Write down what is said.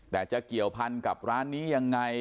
แต่จะเกี่ยวพันกับร้านนี้ยังไง